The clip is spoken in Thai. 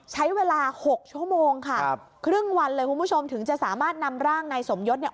ใช้เวลา๖ชั่วโมงค่ะครับครึ่งวันเลยคุณผู้ชมถึงจะสามารถนำร่างนายสมยศเนี่ย